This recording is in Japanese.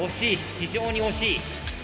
非常に惜しい。